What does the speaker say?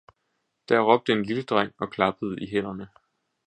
Det råbte en lille dreng og klappede i hænderne.